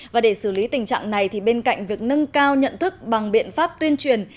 và để xử lý tình trạng này thì bên cạnh việc nâng cao nhận thức bằng biện pháp tuyên truyền